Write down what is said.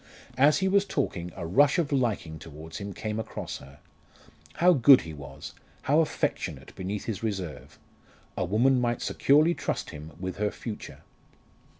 As he was talking a rush of liking towards him came across her. How good he was how affectionate beneath his reserve a woman might securely trust him with her future.